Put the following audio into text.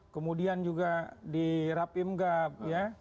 kemudian juga di rapimgab ya